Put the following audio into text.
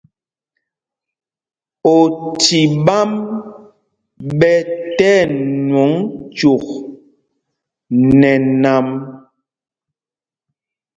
Oci ɓām ɓɛ ti ɛnwɔŋ cyûk nɛ nam.